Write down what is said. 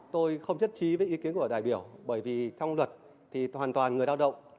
tôi không nhất trí với ý kiến của đại biểu bởi vì trong luật thì hoàn toàn người lao động